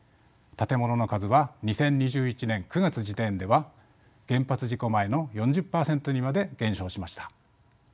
建物の数は２０２１年９月時点では原発事故前の４０％にまで減少しました。